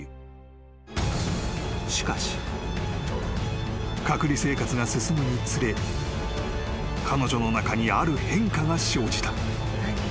［しかし隔離生活が進むにつれ彼女の中にある変化が生じた］